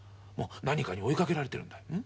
何かに追いかけられているんだ。